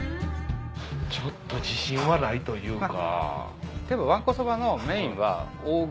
ちょっと自信はないというか。